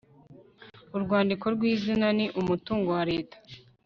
urwandiko rw inzira ni umutungo wa leta